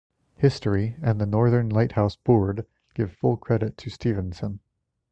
History, and the Northern Lighthouse Board, give full credit to Stevenson.